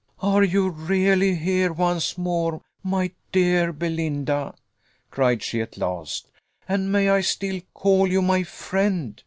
"And are you really here once more, my dear Belinda?" cried she at last; "and may I still call you my friend?